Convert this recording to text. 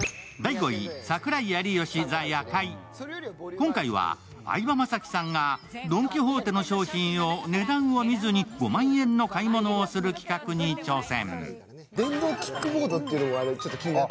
今回は相葉雅紀さんがドン・キホーテの商品を値段を見ずに５万円の買い物をする企画に挑戦。